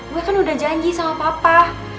gue kan udah janji sama papa